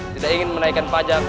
tidak ingin menaikan pajak